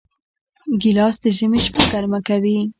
ګیلاس د ژمي شپه ګرمه کوي.